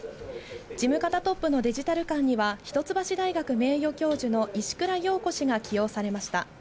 事務方トップのデジタル監には、一橋大学名誉教授の石倉洋子氏が起用されました。